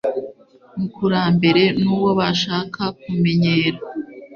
mukurambere n uwo bashaka kumenyera